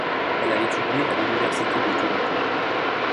Elle a étudié à l'Université de Toronto.